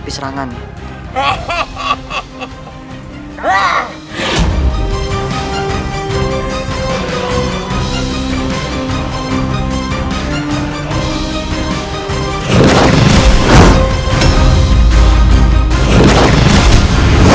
yang akan tentu